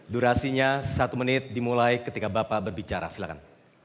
durasinya satu menit dimulai ketika bapak berbicara silahkan